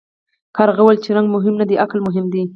کارغه وویل چې رنګ مهم نه دی عقل مهم دی.